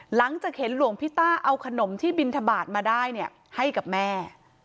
หลังจากเห็นหลวงพี่ต้าเอาขนมที่บินทบาทมาได้เนี่ยให้กับแม่